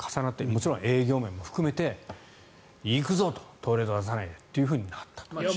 もちろん営業面も含めて行くぞと、トレード出さないでとなった。